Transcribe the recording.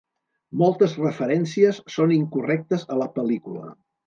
Moltes referències són incorrectes a la pel·lícula.